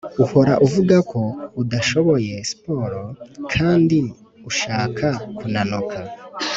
Uhora uvugako udashoboye sport kndi ushaka kunanuka